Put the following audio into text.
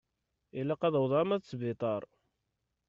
Ilaq ad awḍeɣ alma d sbiṭar.